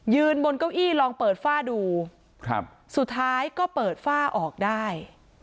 บนเก้าอี้ลองเปิดฝ้าดูครับสุดท้ายก็เปิดฝ้าออกได้